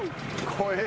怖え！